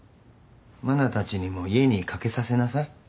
真菜たちにも家にかけさせなさい。